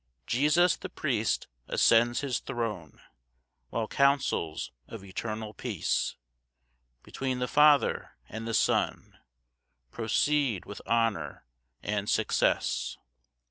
4 Jesus the priest ascends his throne, While counsels of eternal peace, Between the Father and the Son, Proceed with honour and success.